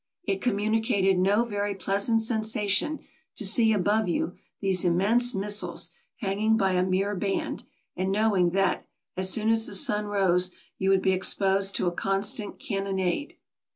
It communicated no very pleasant sensation to see above you these immense missiles hanging by a mere band, and knowing that, as soon as the sun rose, you would be exposed to a constant cannonade.